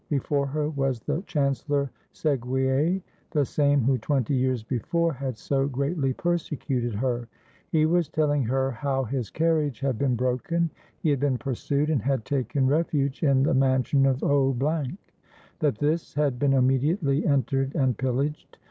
Before her was the Chancellor Seguier, the same who twenty years before had so greatly persecuted her. He was telling her how his car riage had been broken, he had been pursued, and had taken refuge in the mansion of O ; that this had been immediately entered and pillaged.